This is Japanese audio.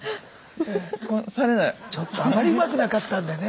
ちょっとあまりうまくなかったんでね。